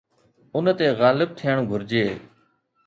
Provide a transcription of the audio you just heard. ان تي غالب ٿيڻ گهرجي.